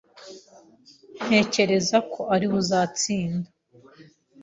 Ntekereza ko ariwe uzatsinda.